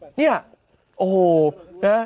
อันนี้คื